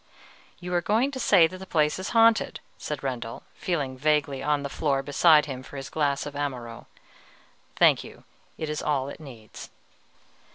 "You are going to say that the place is haunted," said Rendel, feeling vaguely on the floor beside him for his glass of Amaro: "thank you; it is all it needs."